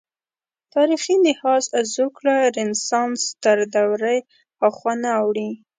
تاریخي لحاظ زوکړه رنسانس تر دورې هاخوا نه اوړي.